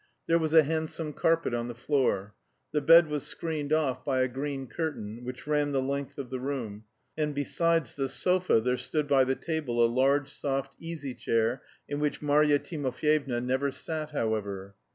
There was a handsome carpet on the floor. The bed was screened off by a green curtain, which ran the length of the room, and besides the sofa there stood by the table a large, soft easy chair, in which Marya Timofyevna never sat, however.